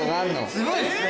すごいですね！